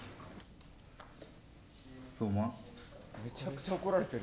めちゃくちゃ怒られてる。